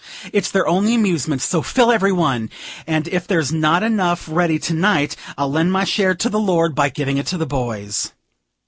It's their only amusement; so fill every one, and, if there's not enough ready to night, I'll lend my share to the Lord by giving it to the boys."